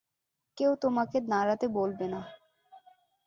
কেউ তোমাকে দাঁড়াতে বলবে না।